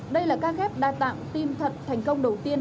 đây là ca ghép đa tạng tim thận thành công đầu tiên